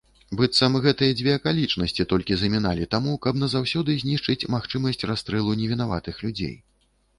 Быццам гэтыя дзве акалічнасці толькі заміналі таму, каб назаўсёды знішчыць магчымасць расстрэлу невінаватых людзей.